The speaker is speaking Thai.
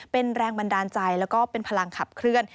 เป็นแรงบันดาลใจแล้วก็เป็นพลังขับเคลื่อน